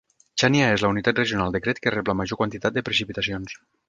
Chania és la unitat regional de Crete que rep la major quantitat de precipitacions.